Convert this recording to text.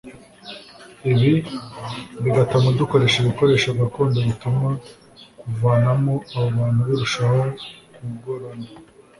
ibi bigatuma dukoresha ibikoresho gakondo bituma kuvanamo abo bantu birushaho kugorana